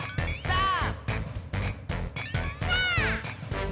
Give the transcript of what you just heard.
さあ！